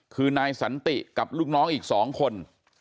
คือนายสันติกับลูกน้องอีก๒คน